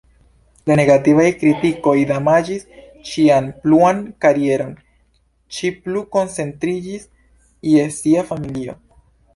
La negativaj kritikoj damaĝis ŝian pluan karieron, ŝi plu koncentris je sia familio.